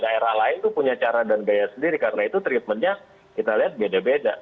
daerah lain itu punya cara dan gaya sendiri karena itu treatmentnya kita lihat beda beda